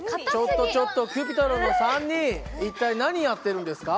ちょっとちょっとＣｕｐｉｔｒｏｎの３人一体何やってるんですか？